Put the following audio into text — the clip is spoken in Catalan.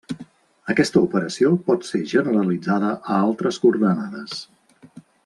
Aquesta operació pot ser generalitzada a altres coordenades.